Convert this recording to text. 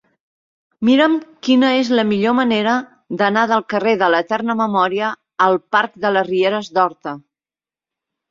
Mira'm quina és la millor manera d'anar del carrer de l'Eterna Memòria al parc de les Rieres d'Horta.